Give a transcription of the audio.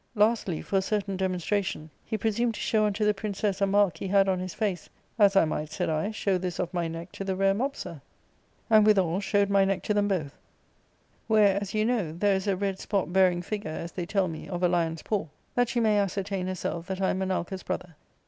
Lastly, for a certain demonstra tion, he presumed to show unto the princess a mark he had on his face, *as I might,' said I, * show this of my neck to the rare Mopsa ;' and, withal, showed my neck to them both, where, as you know, there is a red spot bearing figure, as they tell me, of a lion's paw ; 'that she may ascertain herself that I am Menalcas' brother.